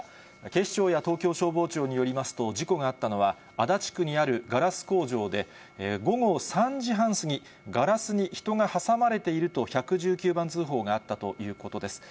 警視庁や東京消防庁によりますと、事故があったのは、足立区にあるガラス工場で、午後３時半過ぎ、ガラスに人が挟まれていると１１９番通報があったということです。